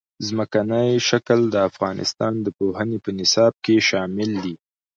ځمکنی شکل د افغانستان د پوهنې په نصاب کې شامل دي.